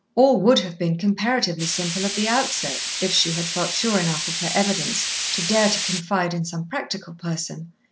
All would have been comparatively simple at the outset, if she had felt sure enough of her evidence to dare to confide in some practical person.